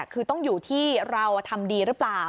คือต้องอยู่ที่เราทำดีหรือเปล่า